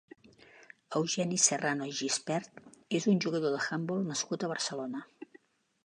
Eugeni Serrano i Gispert és un jugador de handbol nascut a Barcelona.